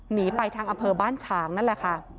หนีไปทางอำเภอบ้านฉางนั่นแหละค่ะ